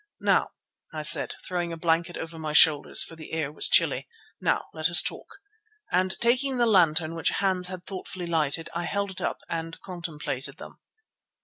"Now," I said, throwing a blanket over my shoulders, for the air was chilly, "now let us talk," and taking the lantern which Hans had thoughtfully lighted, I held it up and contemplated them.